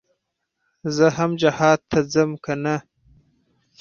زه هم جهاد ته ځم کنه.